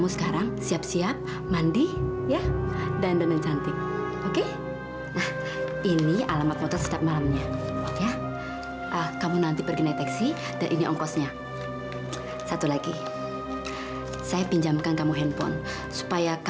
sampai jumpa di video selanjutnya